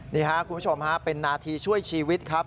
นี่ครับคุณผู้ชมฮะเป็นนาทีช่วยชีวิตครับ